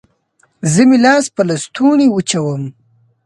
زه مې لاس په لاسوچوني وچوم